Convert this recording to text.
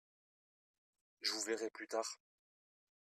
Je vous verrai plus tard.